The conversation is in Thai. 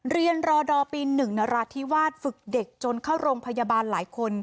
เรียนรอดอปี๑นราธิวาสฝึกเด็กจนเข้าโรงพยาบาลหลายคน